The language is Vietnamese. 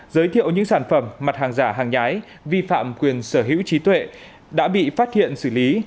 giới thiệu những sản phẩm mặt hàng giả hàng nhái vi phạm quyền sở hữu trí tuệ đã bị phát hiện xử lý